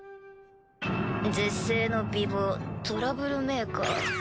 絶世の美貌トラブルメーカー。